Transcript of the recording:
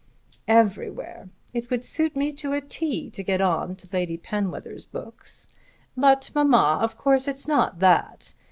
"Everywhere. It would suit me to a 't' to get on to Lady Penwether's books. But, mamma, of course it's not that.